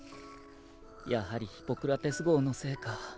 やはりヒポクラテス号のせいか。